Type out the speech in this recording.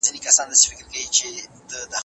د خوب مهال ویش منظم کړئ.